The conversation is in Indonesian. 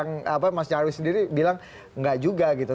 jadi mas jarwi sendiri bilang enggak juga gitu